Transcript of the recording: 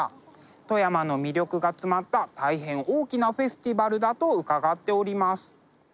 富山の魅力が詰まった大変大きなフェスティバルだと伺っております。